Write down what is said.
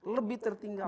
lebih tertinggal lagi